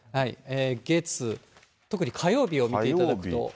月、特に火曜日を見ていただくと。